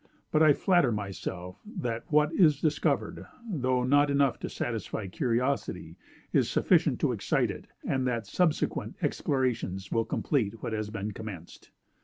But I flatter myself that what is discovered, though not enough to satisfy curiosity, is sufficient to excite it, and that subsequent explorations will complete what has been commenced."